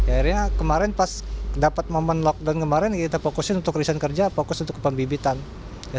akhirnya kemarin pas dapat momen lockdown kemarin kita fokusin untuk riset kerja fokus untuk ke pembibitan